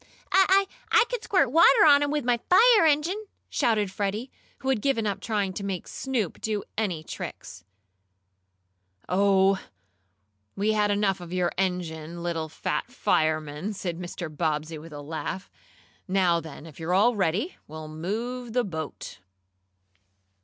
"I I could squirt water on 'em with my fire engine!" shouted Freddie, who had given up trying to make Snoop do any tricks. "Oh, we had enough of your engine, little fat fireman," said Mr. Bobbsey with a laugh. "Now then, if you're all ready, we'll move the boat."